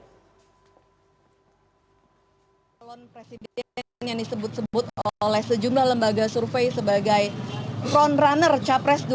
salon presiden yang disebut sebut oleh sejumlah lembaga survei sebagai frontrunner capres dua ribu dua puluh empat